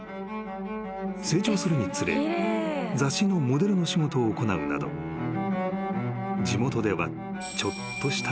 ［成長するにつれ雑誌のモデルの仕事を行うなど地元ではちょっとした］